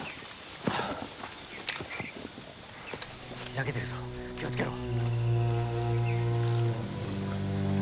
開けてるぞ気を付けろ。